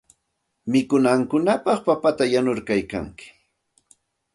Mikunankupaq papata yanuykalkanki.